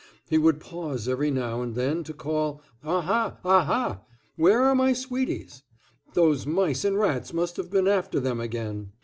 He would pause every now and then to call, "Aha—Aha! Where are all my sweeties? those mice and rats must have been after them again!"